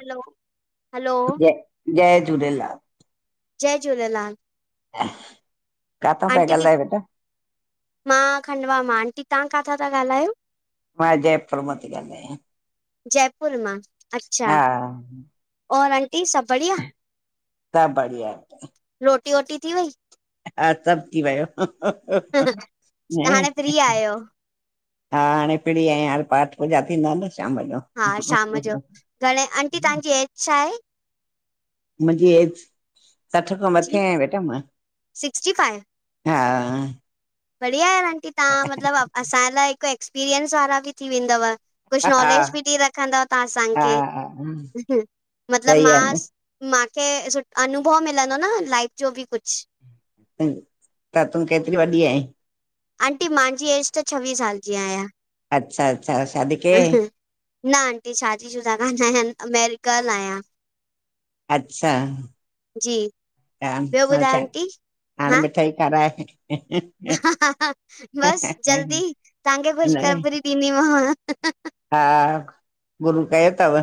हलो, hello जय जय झूलेलाल जय झूलेलाल। काथा पिया आंटी कि गालायो बेटा? मां खंडवा मां आंटी, तव्हां काथां ता ॻाल्हायो? मां जयपुर मां थी ॻाल्हायां जयपुर मां, अच्छा। हा और आंटी सभु बढिया। सब बढ़िया आए। रोटी वोटी थी वई? हा सभु थी वियो, त न। हाणे फ्री आहियो हा हाणे फ्री आयां, हाणे पाठ पूजा थींदा न शाम जो। हा शाम जो, घणे, आंटी तव्हांजी एज छा आहे? मुंजी एज, सठ खां जी मथे आयां बेटा मां। सिक्सटी फाइव हा, बढ़िया आहे यार आंटी तव्हां मतिलबु असांजे लाइ हिकु एक्सपीरियंस वारा बि थी वेंदव। कुझु हा नॉलेज बि ॾेई रखंदव तव्हां हा असांखे, मतलब सही आहे मां न मूंखे अनुभव मिलंदो न लाइफ जो बि कुझु त तूं केतिरी वॾी आहीं? आंटी मुंहिंजी एज त छवीह साल जी आहियां। अच्छा अच्छा शादी कयय? न आंटी शादी शुदा न आहिया अमेरिकल आहियां। अच्छा जी ॿियो ह ॿुधायो अच्छा, आंटी? हाणे मिठाई खाराइ ह हा बसि जल्दी तव्हांखे ख़ुश न खबरी ॾींदीमांव। हा, गुरू कयो तव?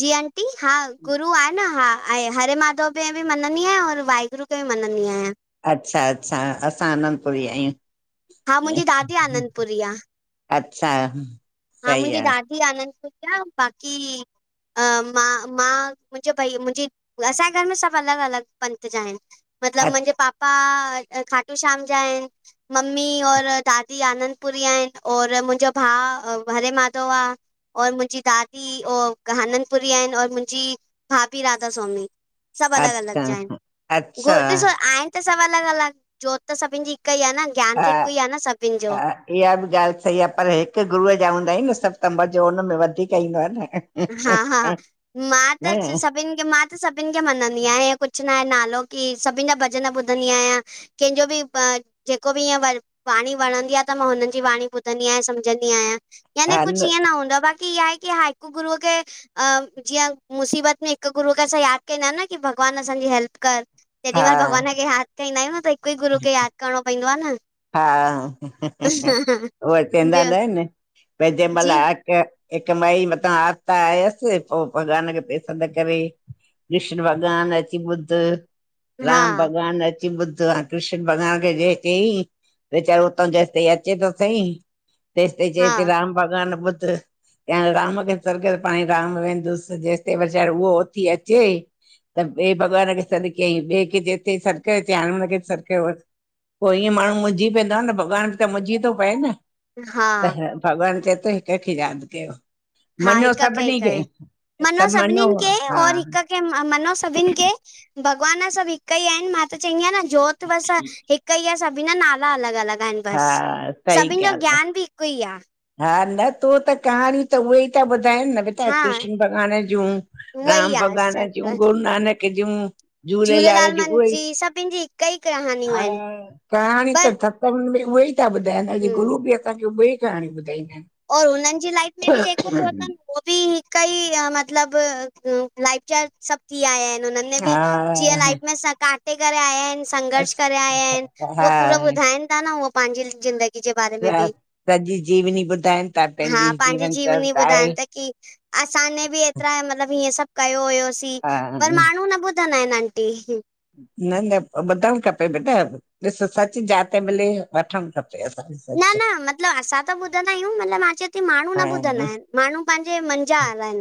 जी आंटी, हा गुरू आहे न हा हरे माधव खे बि मञंदी आहियां और वाहेगुरु खे बि मञंदी आहियां। अच्छा अच्छा असां आनंदपुरी आहियूं। हा मुंहिंजी दादी आनंदपुरी आ। अच्छा हा, सही मुंहिंजी आहे दादी आनंदपुरी आ बाक़ी अ मां मां मुंहिंजे भई मुंहिंजी असांजे घर में सभु अलॻ अलॻ पंथ जा आहिनि। मतलब मुंहिंजे पापा खाटू श्याम जा आहिनि मम्मी और दादी आनंदपुरी आहिनि और मुंहिंजो भाउं हरे माधव आ। और मुंहिंजी दादी आनंदपुरी आहिनि और मुंहिंजी भाभी राधा स्वामी। सभु अलॻ अलॻ अच्छा जा अच्छा आहिनि ॾिसो आहिनि सभु अलॻि अलॻि जोत त सभिनि जी हिक ई आहे न। ज्ञान हा त हिकु ई आहे न सभिनि जो हा इहा बि ॻाल्हि सही आ पर हिकु गुरूअ जा हूंदा आहियूं न सभ तं मज़ो हुन में वधीक ईंदो आ न हा हा मां न त सभ सभिनि खे मां त सभिनि खे मञनंदी आहियां कुझु ना आहे नालो की सभिनि जा भॼन ॿुधंदी आहियां कंहिंजो बि जेको बि ईअं वर वाणी वणंदी आ त मां हुननि जी वाणी ॿुधंदी आहियां सम्झंदी आहियां याने कुछ ईअं न हूंदो आ बाक़ी हा इहा आहे की हा हिक गुरूअ खे जीअं मुसीबत में हिक गुरूअ खे असां याद कंदा आहियूं न की भॻवानु असांजी हेल्प कर हा जेॾीमहल भॻवान खे याद काईंदा आहियूं न त हिक ई गुरू खे याद करणो पवंदो आ न हा उहे चवंदा न ॿियो आहिन भई जंहिं महल जी हिक माई मथां आपदा आयस पो भॻवान खे पई सॾ करे कृष्ण भॻवान अची ॿुध हा राम भॻवान अची ॿुध कृष्ण भॻवान खे जे अ चयई वेचारो उतां जेसिताईं अचे त सई तेसताईं हा चैस थीे राम भॻवान अची ॿुध चयई राम खे ती सॾ करे पाणही राम वेंदुस जेसताई वेचारो उहो उथी अचे त ॿै भॻवान खे सॾ कई ॿै के सॾ कै अचे हाणे हुन खे सॾ कयो पो ईअं माण्हू मुंझी पवंदो आ न भॻवान बि त मुंझी थो पए न, हा हा त भॻवान चए थो हिक खे याद कयो। हा मञियो हिक खे हि सभिनी कयो मनो सभु मञियो सभिनिन खे हा और हिक खे मनो सभिन खे भॻवान सभ हिक ई आहिन मां त चईंदी आयां न जोत बस हिक ई हा सभिन जा नाला अलॻ अलॻ आहिन हा बस सही ॻाल्हि सभिन जो आहे ज्ञान बि हिक ई आ। हा न तूं त कहाणी त उहे ई था ॿुधाइन न त हा कृष्ण भॻवान ज़युं, उहा ई राम भॻवान जंयु, आहे गुरू नानक जंयु। झूलेलाल ॼी मन उहे ई जी सभिनि जी हिक ई कहानियूं ह आहिनि कहाणी पर त थप। सॿ में उहे ई ता ॿुधाइन अॼ हम्म गुरु ॿि असांखे उहे ई कहाणी ॿुधाईंदा आयन। और हुनन ॼी लाइफ में ॿि जेको थ्यो तन। उ ॿि हिक ई मतलब लाइफचार्ज सॿ थी आया आयन हुनन। हा जीअं लाइफ में स काटे करे आया ऐन। हा संघर्ष करे आया आयन उह पूरो हा, ॿुधाइन तख न उह पांजी ज़िंदगी ॼे बारे में ॿि। पैंॼी जीवनी ॿुधाइन ता पैंॼी पंहिंजी जीवन कर जीवनी त ॿुधाइनि आये। था की असांने ॿि एतरा मतलब हेअ सॿ कयो हुयोसीं हा पर माणू न ॿु चयन्दा आयन आंटी। न-न ॿुधण खपे बेटा ॾिस सच जाते मिले वठण खपे। [inaudible] न-न मतलब असां त ॿुंधंदा आयूं मतलब मां चवा ती माणू न ॿुधंदा हा आयन माणू। पांॼे मन ॼा आरन।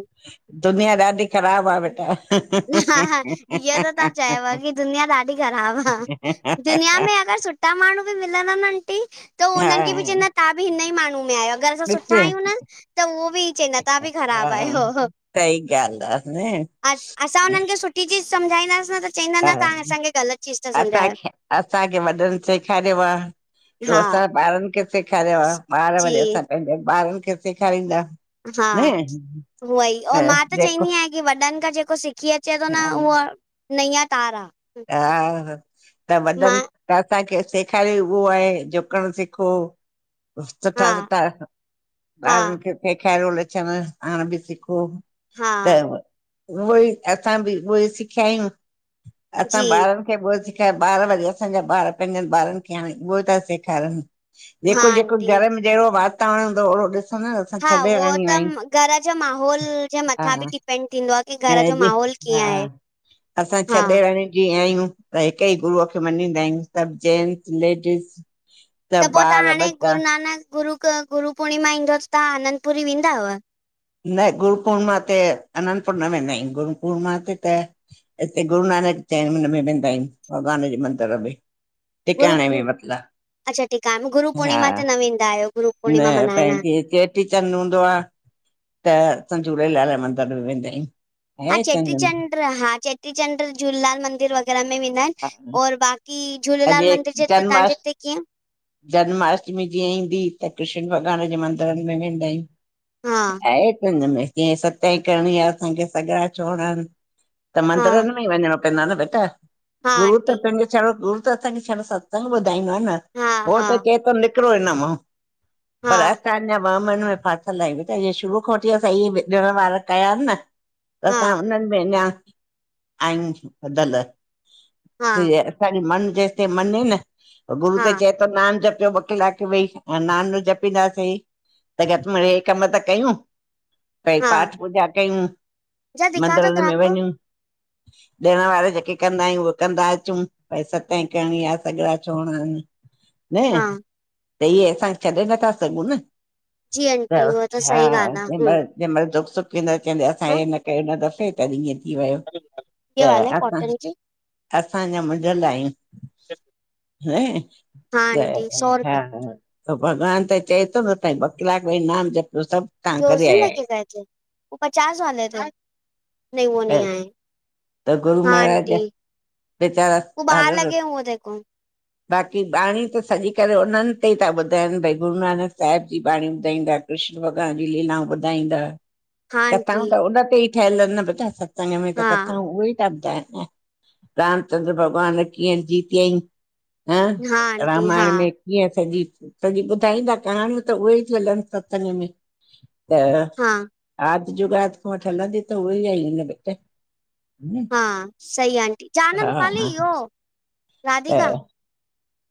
दुनिया ॾाढी ख़राब आ बेटा। हा-हा इय त तां चयव की दुनिया ॾाढी ख़राब आ। दुनिया में अगर सुठा माण्हू ॿि मिलंदा न आंटी त हा हुनन खे ॿि चईंदा तां ॿि हिन ई माणू में आयो। अगर असां ॾिस सुठा आयूं न त उयो ॿि चईदां तां ॿि हा ख़राब आयो। सही ॻाल्हि आहे न अ असां हुननि खे [inaudible] सुठी चीज समझाई दास न त चईंदा न ता असाखे गलत असांखे-असांखे वॾन सेखारियो आ त हा असां ॿारन खे। सेखारियो आ ॿार जी वरी असां पैंजे ॿारन खे सेखारींदा। हा न उअ ई मां त चईदी आयां कि वॾन खां जेको सिखी अचे तो न उय नैया तार आ। हा त वॾन त असांखे सेखारयो उयो आये झुकण सिखो। हा सुठा-सुठा हा ॿारन खे। सेखारयो लछण पाण ॿो सीखो हा त। उय ई असां ॿि उय ई सिखया आयूं। असां जी ॿारन खे उयो सेखार ॿार वरी असांजा ॿार पैंॼन ॿारन खे हाणे उये ता सेखारन। हा जेको-जेको आंटी घर में जेॾो वातावरण हूंदो होॾो ॾिस हा उयो त घर ॼे माहौल ॼे मथां ॿि डिपेंड थींदो आ। हा जी हा असां हा छह ॼणा जीय आयू। त हिक ई गुरूअ खे मञीदा आयूं सब जेंट्स लेडीस। त सभु पो तां ॿार हाणे बच्चा गुरुनानक गुरू क गुरूपूर्णिमा ईंदों आ तां अनंतपुरी वेंंदाव? न गुरू पूर्णिमा ते अन्नतपूर्ण न वेंदा आयू गुरू पूर्णमा ते त हिते गुरू नानक चैन मन में वेंदा आयूं भॻवान ॼे मंदिर में। गुरू टिकाणे में मतिलब अच्छा ठीक आ गुरू हा पूर्णिमा ते न वेंदा आयो। न पैंॼी जीअ चेटी चंड हूंदो आ। त असा झूलेलाल ए मंदिर में वेंदा आयू। हा चेटीचंड, हा चेटीचंड झूलेलाल मंदिर वग़ैरह में वेंदा आयन हा और बाक़ी। झूलेलाल अॼु मंदिर ॼे हिते तांॼे जन्माष्ट हिते कीअं? जन्माष्टमी जीअं ईंदी त कृष्ण भॻवान जे मंदिर में वेंदा आहियूं। हा आहे त हिन में जीअं सताई करणी आ असांखे सॻड़ा छोणणा। त हा मन्दिरन में ई वञिणो पवंदो न बेटा। हा गुरू आंटी त पंहिंजो छा गुरु। त असांखे छा सत्संग ॿुधाईंदो आ न। हा हो हा त चए थो निकिरो हिन मां। हा पर असां अञा वहमन में फाथल आ बेठा। इअ शुरू खां वठी असां ईय ॾिण वार कया आहिनि न। हा असां उन्हन में अञा आहियूं बधल हा सिय खणी मन जेते मने न गुरू हा त चायेत ता नाम जपियो ॿ कलाक वई। नाम न जपींदासीं। त घट में हे कम त कयूं। भई हा पाठ पूजा कयूं। जा दिखा दो मंदिर में ग्राहक को वञूं। ॾिण वार जेके कंदा आहियूं। उहे कंदा अचूं पैसा। ताई करणी आ सॻड़ा छोरणा आहिनि न? हा त इहे असां छॾे नथा सघूं न। जी त आंटी उहा हा सही ॻाल्हि आहे हम दिंबर। जंहिं महल दुख सुख अचे असां ह हे न कयों हीन दसे। तॾ ईअं थी वियो, ये त वाला है असां। कॉटन की असा अन्या मुझल आहियूं। हे। हाँ ता आंटी सौ रुपए हा।। त भॻवान त चए थो न ताई ॿ कलाक वेही नाम जपो सभ। जो उस दिन लेक गए थे? वो पचास वाले थे। वो नहीं वो आहियो नहीं त आए हैं। त गुरू महाराज बे बेचारा वो बाहर हल। लगे हुए देखो बाक़ी ॿाणी त सॼी करे उन्हन ते ई ता ॿुधाइनि भई गुरू नानक साहिब जी बाणी ॿुधाईंदा। कृष्ण भॻवान जी लीलाऊं ॿुधाईंदा। हाँ कथाऊं आंटी त उन ते ई ठहियल एंन ना बेटा सत्संग में त हाँ कथाऊं उहो ई ता ॿुधाइनि। न रामचंद्र भॻवानु कीअं जीतियाई ह हाँ आंटी रामायण हाँ में। ईअं सॼी सॼी ॿुधाईंदा कहाणियूं त उहे ई थियाल येन सत्संग में। त हाँ आदि जुग़ादि खो वठी हलंदी त उहे ई आई न बेटा। हम्म, हा सही आंटी जा न हा रूपाली इहो त राधिका।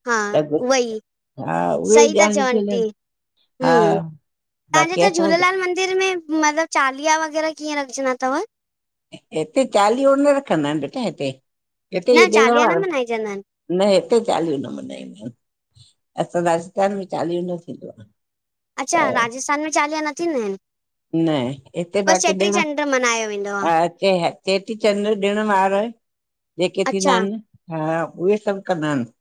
हा। त गु- ऊहोही हा उहे ई सही ता ॻाल्हियूं चोओ थियल आंटी। आहिनि हा ह्म्म्म तव्हांजे हि बाक़ी ते असां झूलेलाल मंदिर में मतलब। चालीहा वग़ैरहा कीअं रखंजदा तव? हिते चालीहो न रखंदा आहिनि बेटा। हिते न ईये ॾण चालीहा वार। न मल्हाइजंदा आहिनि न हिते चालीहो न मनाईंदा आहिनि असां राजस्थान में चालीहो न थींदो आ। अच्छा राजस्थान में चालीहा न थींदा आहिनि। न। हिते बसि बाक़ी चेटी ॾण चंड मल्हायो वेंदो आहे हा। चेटी चंड ॾिण वार जेके थींदा अच्छा आहिनि हा उहे सभु कंदा आहिनि।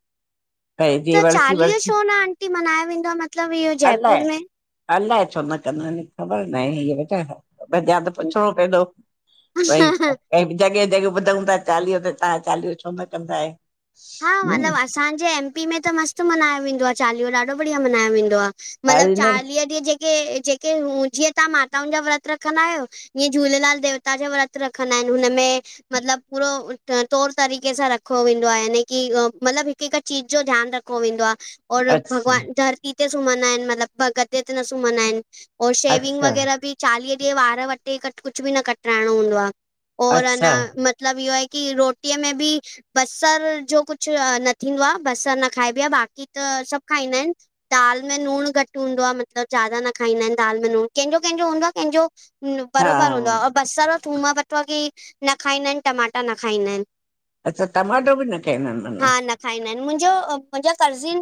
भई त जीअं वरसी चालीह वरसी छो न आंटी मनाये वेंदो आ। मतलब इहो जयपुर में। अललाए छो न कंद अहीन ख़बर न आहे इहो बेटा। भई ध्या त में पुछणो पवंदो। बाई। ऐंई जॻहि ते ॿुधुथा चालीहो त तव्हां चालीहो छो न कंदा आहियो। हा। नी मतलबु असांजे एम पी में त मस्तु मनाये वेंदो आ चालीहो ॾाढो बढ़िया मनाये वेंदो आ। मतलब अरे न चालीह ॾींहं जेके, जेके हू जीअं तव्हां माताउनि जा व्रत रखंदा आहियो। ईअं झूलेलाल देवता जा व्रत रखंदा आहिन हुनमें। मतलब पूरो तौर तरीक़े सां रखो वेंदो आ हिन। कि मतलब हिक हिक चीज़ जो ध्यानु रखो वेंदो आ और अच्छा भॻवान दर ई ते सुम्हंदा आहिन मतलब भ गदे ते न सुम्हंदा आहिन और शेविंग अच्छा वग़ैरह भी। चालीह ॾींहं वार वटिकर कुछ भी न कटाइणो हूंदो आ और अञा अच्छा मत लब इह्यो आहे कि रोटीअ में भी बस्सर जो कुछ अ न थींदो आ, बसर न खाइबी आ, बाक़ी त सभु खाईंदा इनि। दाल में नूणुं घटि हूंदो आ, मतलब ज्यादा न खाईंदा इनि दाल में नूणु, कंहिंजो कंहिंजो हूंदो आ कंहिंजो हा बरोबर हूंदो आ और बस्सर और थूम बटआ कि न खाईंदा आहिन, टमाटा न खाईंदा आहिन। अच्छा, टमाटो भी न खाईंदा हिन? हा न खाईंदा इन, मुंजो अ मुंजा कर्ज़िन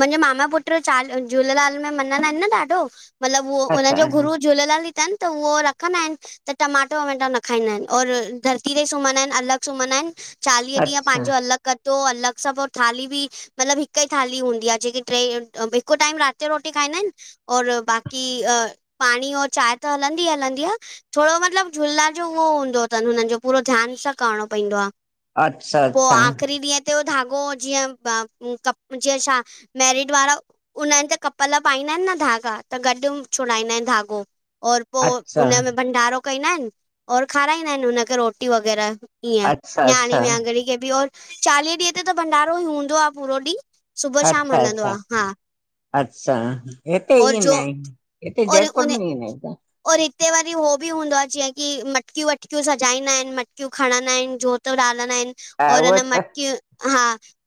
मुंजे मामा पुट्रु चाल झूलेलाल में मंञंदा इनि न ॾाढो मतलब उहो उन्हनि जो गुरु झूलेलाल ही तन त उहो र खन्दा इनि त टमाटो वमाटो न खाईंदा इन और धरती ते सुम्हंदा इनि, अलॻ सुम्हंदा इनि। चालीह ॾींहं अच्छा पांजो अलॻ गद्दो, अलॻ सां पो थाली बी मतलब हिक ई थाली हुंदी आ, जेके ट्रे अ हिकु टाइम राति यो रोटी खाईंदा इनि और बाक़ी अ पांणी और चांहि त हलंदी- हलंदी आ। थोड़ो मतलब झूलेलाल जो उहो हुंदो तनि हुननि जो पूरो ध्यानु सां करिणो पइंदो आ। अच्छा -अच्छा खिरी ॾींहं ते हो धाॻो जीअं बा, उम कप जीअं छा मैरिड वारा उन्हनि ते कपल पाईंदा इन न धाॻा, त गॾु छुड़ाईंदा इन धाॻो। और पो अच्छा हुनमें भंडारो कइंदा हिन और खाराईंदा हिन हुन खे रोटी वग़ैरह। ईअं, अच्छा अच्छा न्याणी अच्छा वियाङणी खे भी और चालीहें ॾींहं ते त भंडारो ई हूंदो आ पूरो ॾींहं। अच्छा- अच्छा। अच्छा, हिते ईयें और न जो हिन, हिते और जयपुर उन में ईअं न हिन और हिते वरी हो बि हूंदो आ, जीअं कि मटकियूं वटकियूं सजाईंदा हिन, मटकियूं खणंदा हिन जोत [unintelligible] आहिन हा और उहो हुन त मटकियूं, हा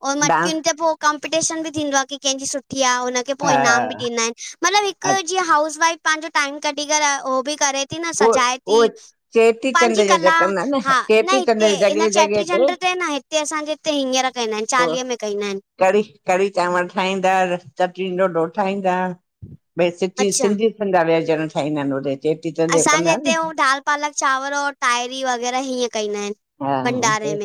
और डांस मटकियुनि ते पो कॉम्पिटीशन भी थींदो आ कि कंहिंजी सुठी आ हुन खे पो हा ईनाम भी ॾींदा हिन, मतलब अ- हिकु जीअं हाउस वाइफ़ पांहिंजो टाइम कढी करे हो भी करे ती न उहो सजाए उहो ती, चेटीचंड पांजी जो जो कला कंदा आहिनि हा न चेटीचंड हिते जी हिन जॻह जॻह चेट्री चंडु ते न न हिते असांजे हिते हींअर कईदा हिन, उहो चालीहे में कईंदा हिन कढ़ी -कढ़ी चांवर ठाहींदा, चटणीं ढोढो ठाहींदा। भई सच्ची अच्छा सिंधी संधा व्यंजन ठाहींदा हिन होेॾे चेट्री असांजे हिते हू दाल, पालक, चांवर और ताहिरी वग़ैरह, हीअं कइंदा हिन। हा, हिते,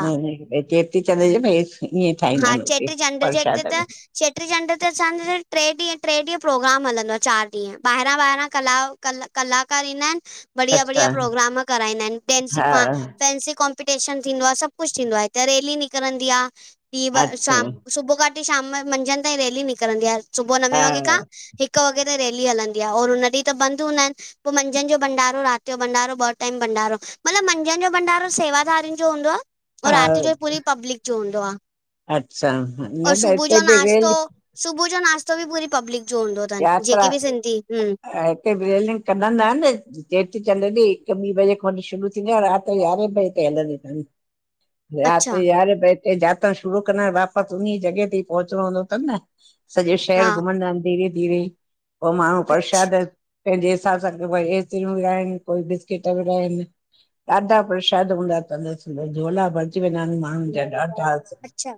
न हिते चेट्री चंण्ड जे में हेस ईंञें ठाहींदा हिन, हुते प्रशाद में। चेट्री चंड ते असांजे ट्रे ॾींहं, ट्रे ॾींहं प्रोग्राम हलंदो आ चारि ॾींहं, ॿाहिरां- ॿाहिरां कलाउ कल कलाकार ईंदा हिन, बढ़िया -बढ़िया अच्छा प्रोग्राम कराईंदा हिन टेन्स हा पा फ़ैंसी कॉम पिटीशन थींदो आ, सब कुछ थींदो आ हिते रैली निकरंदी आ, ॿि ब अच्छा शाम सुबह खां ते शाम मंझंन ताईं रैली निकरंदी आ, सुबुअ नवें हा वॻे खां हिक वॻे ताईं रैली हलंदी आ और हुन ॾींहं त बंदि हूंदा हिन। पो मंझंन जो भंडारो, राति जो भंडारो ॿ टाइम भंडारो। मतलब मंझंन जो भंडारो सेवादारियुनि जो हूंदो आ और हा राति जो पूरी पब्लिक जो हूंदो आ। अच्छा, हा, न त हिते बी रैली सुबुअ जो नासतो भी पूरी पब्लिक जो हूंदो थनि जेके भी सिंधी, हम्म हे रियलिंग कढंदा हिन। चेट्री चंड ॾींहं हिक ॿीं बजे खों वठी शुरू थींदी आ, और राति यो यारहें बजे ताई हलंदी तनि। अच्छा राति यारहें बजे ताईं, जातां शुरू कंदा हिन वापस उन्हींअ जॻह ते ई पहुचुणो हूंदो तन न। सॼो हा शहर घुमंदा हिन धीरे -धीरे, पो माण्हू अच्छा प्रशाद पंहिंजे हिसाब सां कई असिकिम विरहाएन कोई बिस्किट विरहाएन। ॾाढा प्रशाद हूंदा अथनि झोला भरजी वेंदा आहिनि माण्हुनि जा ॾाढा अच्छा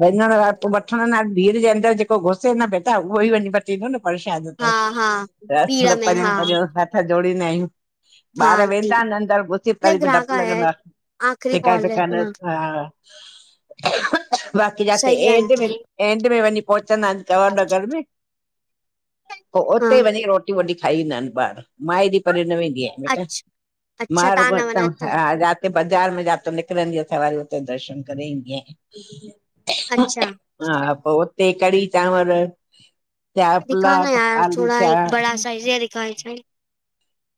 भेनर लाइ पोइ वठण लाइ भीड़ जे अंदरि जेको घुसे न बेटा उहो ई वञी चींदो [inaudible] न परशाद हा त हा असां भीड़ त में परो हा परयो हथ जोड़ींदा आहियूं हा ॿार आंटी वेंदा अन अंदरि घुसी ले तरी बि ग्राहक ॾपु आया लॻंदो है आहे आखिरी त [inaudible] का कॉल है पकान हाँ ह [inaudible] बाक़ी जाते सही है एंड [inaudible] में आंटी एंड में वञी पहुचंदा आहिन जवाहर नगर में पोइ हाँ उते वञी रोटी वोटी खाई ईंदा आहिन ॿार माए जी परे न वेंदी आहिया बट अच्छा अच्छा मांार तव्हां ह न वञा तव्हां रा [inaudible] हुते बाज़ार में जाते निकिरंदी आहे त वरी उते दर्शन करे ईंदी आहियां अच्छा हा पोइ उते कढ़ी चांवर थिया दिखा न पुलाव यार आलू थोरा थिया हिकु बड़ा साइज़ दिख छा [inaudible]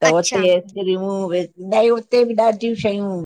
त उते अच्छा आइस्क्रीमूं भई हुते बि ॾाढियूं शयूं